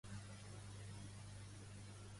A edició de la Piraguada en Defensa de l'Ebre.